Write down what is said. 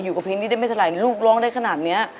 อยู่กับเพลงนี้ได้ไม่เท่าไหร่ลูกร้องได้ขนาดนี้